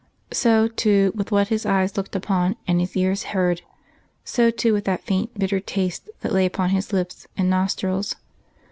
So, too, with what his eyes looked upon and his ears heard; so, too, with that faint bitter taste that lay upon his lips and nostrils.